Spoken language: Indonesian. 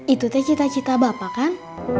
itu teh cita cita bapak kan